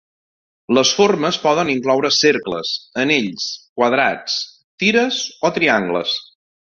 Les formes poden incloure cercles, anells, quadrats, tires o triangles.